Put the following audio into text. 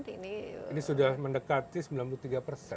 ini sudah mendekati sembilan puluh tiga persen